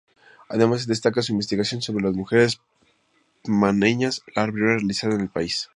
Además, destaca su investigación sobre mujeres artistas panameñas, la primera realizada en el país.